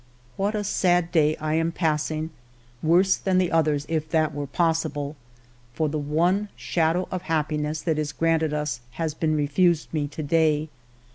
What a sad day I am passing, worse than the others, if that were possible, for the one shadow of happiness that is granted us has been refused me to day.